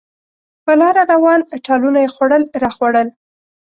په لاره روان، ټالونه یې خوړل راخوړل.